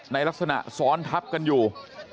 ในลักษณะซ้อนทับกันอยู่